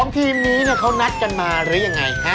ทีมนี้เขานัดกันมาหรือยังไง